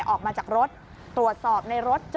ออกมาจากรถตรวจสอบในรถเจอ